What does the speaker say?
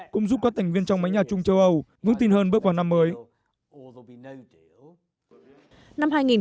cũng giúp các thành viên trong máy nhà trung châu âu ngưng tin hơn bước vào năm mới